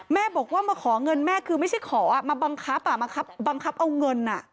แม่บอกว่ามาขอเงินแม่คือไม่ใช่ขอมาบังคับบังคับเอาเงิน